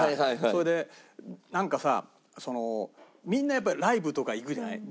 それでなんかさそのみんなやっぱりライブとか行くじゃない？